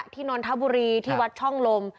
นนทบุรีที่วัดช่องลม